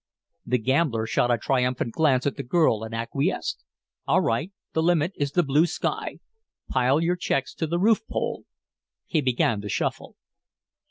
The gambler shot a triumphant glance at the girl and acquiesced. "All right, the limit is the blue sky. Pile your checks to the roof pole." He began to shuffle.